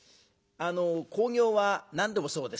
興行は何でもそうですね。